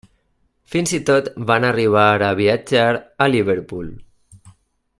Fins i tot van arribar a viatjar a Liverpool.